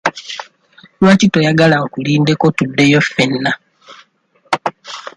Lwaki toyagala nkulindeko tuddeyo ffenna?